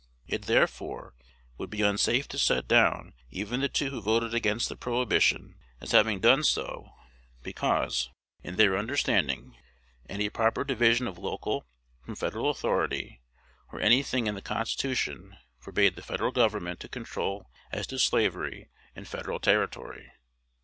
It, therefore, would be unsafe to set down even the two who voted against the prohibition as having done so because, in their understanding, any proper division of local from Federal authority, or any thing in the Constitution, forbade the Federal Government to control as to slavery in Federal territory.